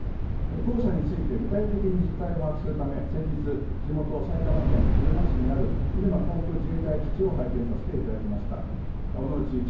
後者について具体的に実態を把握するため、先日、地元、埼玉県入間市にある入間航空自衛隊基地を拝見させていただきました。